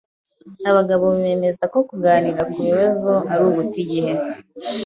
Abagabo bemeza ko kuganira ku bibazo ari uguta igihe.